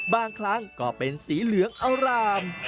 บางครั้งก็เป็นสีเหลืองอร่าม